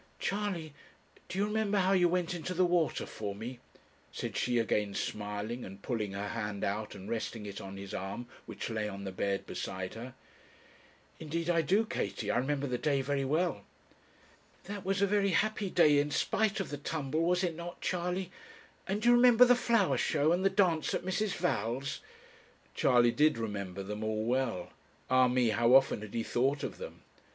'Charley, do you remember how you went into the water for me?' said she, again smiling, and pulling her hand out and resting it on his arm which lay on the bed beside her. 'Indeed I do, Katie I remember the day very well.' 'That was a very happy day in spite of the tumble, was it not, Charley? And do you remember the flower show, and the dance at Mrs. Val's?' Charley did remember them all well. Ah me! how often had he thought of them!